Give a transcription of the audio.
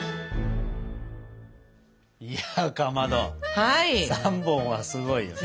いやかまど３本はすごいよね。